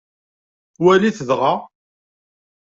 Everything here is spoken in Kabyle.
Walit dɣa.